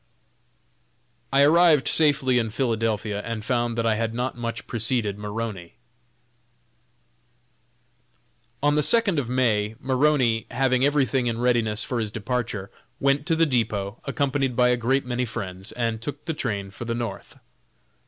I arrived safely in Philadelphia, and found that I had not much preceded Maroney. On the second of May, Maroney, having everything in readiness for his departure, went to the depot, accompanied by a great many friends, and took the train for the North.